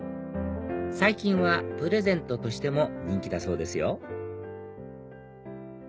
最近はプレゼントとしても人気だそうですよ